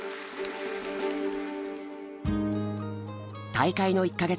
大会の１か月